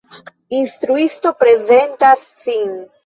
Instruisto prezentas sin.